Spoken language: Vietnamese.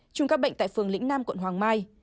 chùm ca bệnh tại phường lĩnh nam quận hoàng mai